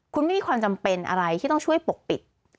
คุณไม่มีความจำเป็นอะไรที่ต้องช่วยปกปิด